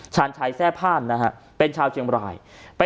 แช่พาลเชียงกภาจ